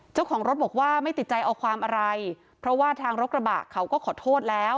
เจ้าของรถบอกว่าไม่ติดใจเอาความอะไรเพราะว่าทางรถกระบะเขาก็ขอโทษแล้ว